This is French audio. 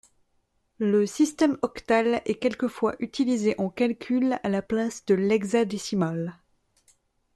Le système octal est quelquefois utilisé en calcul à la place de l'hexadécimal.